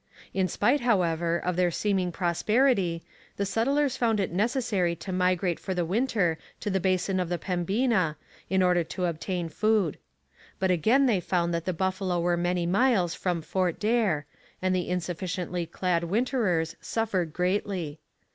In spite, however, of their seeming prosperity, the settlers found it necessary to migrate for the winter to the basin of the Pembina in order to obtain food. But again they found that the buffalo were many miles from Fort Daer, and the insufficiently clad winterers suffered greatly.